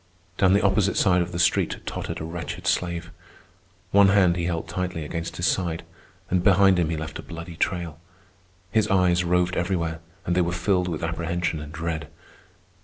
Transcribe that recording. Down the opposite side of the street tottered a wretched slave. One hand he held tightly against his side, and behind him he left a bloody trail. His eyes roved everywhere, and they were filled with apprehension and dread.